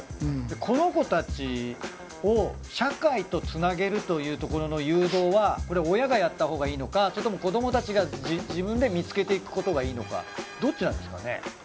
この子たちを社会とつなげるというところの誘導は親がやったほうがいいのかそれとも子どもたちが自分で見つけていくことがいいのかどっちなんですかね。